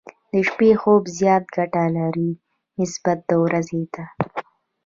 د شپې خوب زياته ګټه لري، نسبت د ورځې ته.